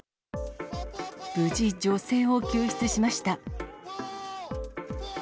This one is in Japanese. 無事女性を救出しました。